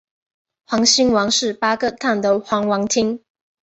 环辛烷是八个碳的环烷烃。